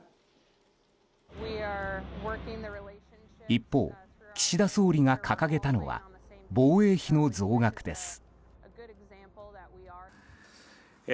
一方、岸田総理が掲げたのは防衛費の増額です。